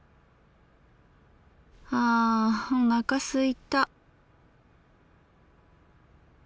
あおなかすいた。